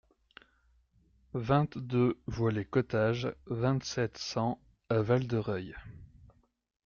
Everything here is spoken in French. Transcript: vingt-deux voie Les Cottages, vingt-sept, cent à Val-de-Reuil